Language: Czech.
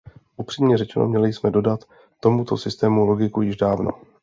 Upřímně řečeno, měli jsme dodat tomuto systému logiku již dávno.